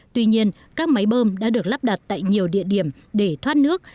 tuy nhiên các máy bơm đã được lắp đặt tại nhiều địa điểm để thoát nước